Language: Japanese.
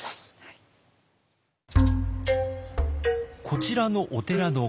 こちらのお寺の鐘。